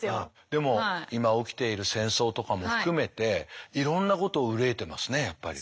でも今起きている戦争とかも含めていろんなことを憂いてますねやっぱり。